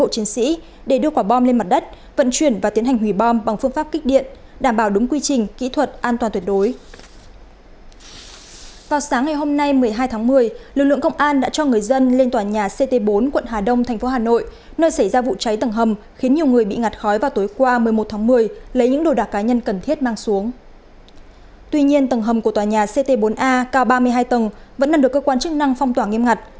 tuy nhiên tầng hầm của tòa nhà ct bốn a cao ba mươi hai tầng vẫn nằm được cơ quan chức năng phong tỏa nghiêm ngặt